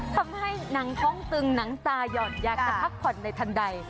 ทำให้หนังท้องตึงหนังตาย่อนอยากจะพักผ่อนในทันใด